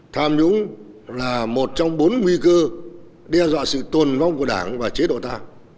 tham nhũng là một trong bốn nguy cơ đe dọa sự tồn vong của đảng và chế độ ta